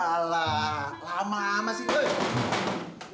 alah lama lama sih